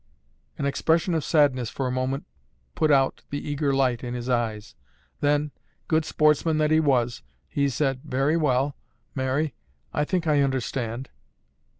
An expression of sadness for a moment put out the eager light in his eyes, then, good sportsman that he was, he said, "Very well, Mary. I think I understand."